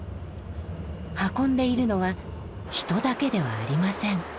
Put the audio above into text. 運んでいるのは人だけではありません。